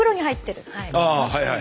ああはい